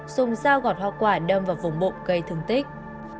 dùng dao gọt hoa quả đâm vào vùng bụng gây thương tích